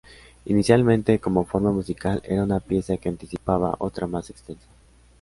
Inicialmente como forma musical, era una pieza que anticipaba otra más extensa.